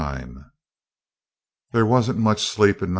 There wasn't much sleep in No.